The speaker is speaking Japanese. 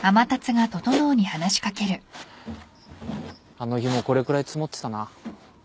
あの日もこれくらい積もってたな。